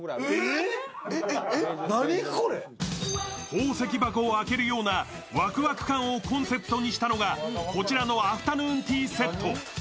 宝石箱を開けるようなわくわく感をコンセプトにしたのがこちらのアフタヌーンティーセット。